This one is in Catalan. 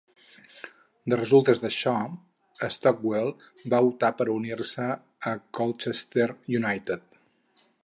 De resultes d'això, Stockwell va optar per unir-se a Colchester United.